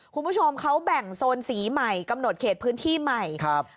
คุณผู้ชมเขาแบ่งโซนสีใหม่กำหนดเขตพื้นที่ใหม่ครับ